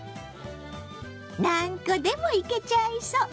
何個でもいけちゃいそう！